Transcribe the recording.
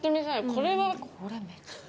これは。